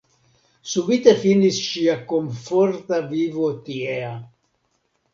Subite finis ŝia komforta vivo tiea.